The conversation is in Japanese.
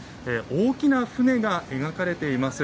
大きな船が描かれています。